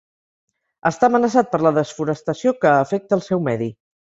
Està amenaçat per la desforestació que afecta el seu medi.